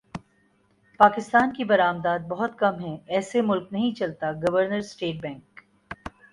پاکستان کی برمدات بہت کم ہیں ایسے ملک نہیں چلتا گورنر اسٹیٹ بینک